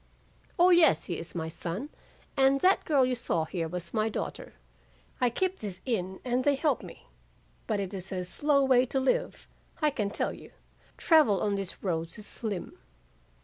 "'O, yes, he is my son, and that girl you saw here was my daughter; I keep this inn and they help me, but it is a slow way to live, I can tell you. Travel on these roads is slim.